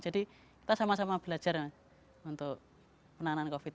jadi kita sama sama belajar untuk penanganan covid sembilan belas